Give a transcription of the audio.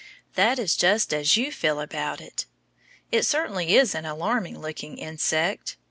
That is just as you feel about it. It certainly is an alarming looking insect.